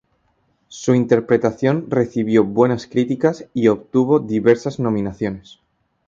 Su interpretación recibió buenas críticas y obtuvo diversas nominaciones.